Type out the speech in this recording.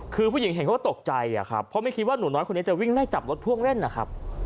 คือผู้หญิงเห็นเขาก็ตกใจครับเพราะไม่คิดว่าหนูน้อยคนนี้จะวิ่งไล่จับรถพ่วงเล่นนะครับ